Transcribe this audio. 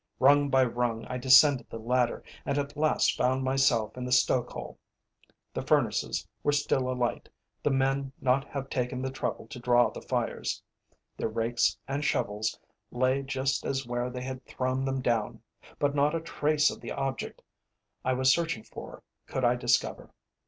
Rung by rung I descended the ladder and at last found myself in the stoke hole. The furnaces were still alight, the men not having taken the trouble to draw the fires. Their rakes and shovels lay just as where they had thrown them down, but not a trace of the object I was searching for could I discover.